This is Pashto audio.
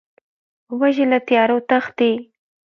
وزې له تیارو تښتي